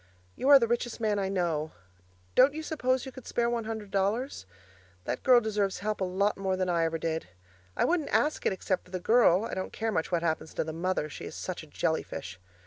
You are the richest man I know. Don't you suppose you could spare one hundred dollars? That girl deserves help a lot more than I ever did. I wouldn't ask it except for the girl; I don't care much what happens to the mother she is such a jelly fish.